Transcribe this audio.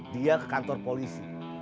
dia ke kantor polisi